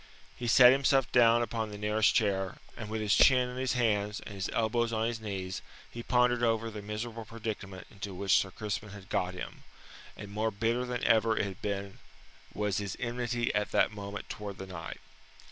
He sat himself down upon the nearest chair, and with his chin in his hands and his elbows on his knees he pondered over the miserable predicament into which Sir Crispin had got him, and more bitter than ever it had been was his enmity at that moment towards the knight.